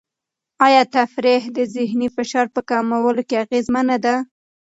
آیا تفریح د ذهني فشار په کمولو کې اغېزمنه ده؟